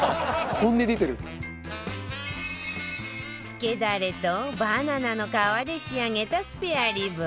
つけダレとバナナの皮で仕上げたスペアリブ